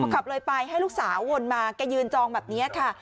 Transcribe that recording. ขับเลยไปให้ลูกสาววนมาแกยืนจองแบบนี้ค่ะ